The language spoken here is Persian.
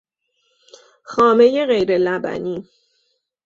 خامهی غیرلبنی